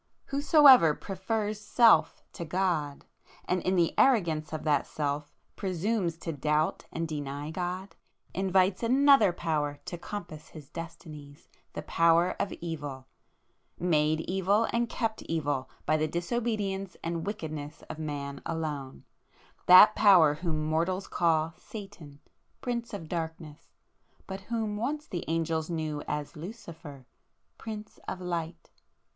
Whosoever prefers Self to God, and in the arrogance of that Self, presumes to doubt and deny God, invites another Power to compass his destinies,—the power of Evil, made evil and kept evil by the disobedience and wickedness of Man alone,—that power whom mortals call Satan, Prince of Darkness,—but whom once the angels knew as Lucifer, Prince of Light!"